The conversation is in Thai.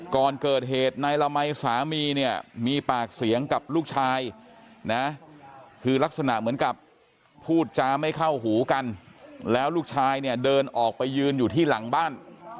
ก่อนเกิดเหตุนายละมัยสามีเนี่ยมีปากเสียงกับลูกชายนะคือลักษณะเหมือนกับพูดจาไม่เข้าหูกันแล้วลูกชายเนี่ยเดินออกไปยืนอยู่ที่หลังบ้าน